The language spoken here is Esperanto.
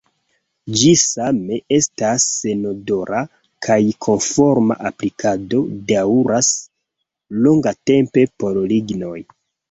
Ĝi same estas senodora kaj konforma aplikado daŭras longatempe por lignoj.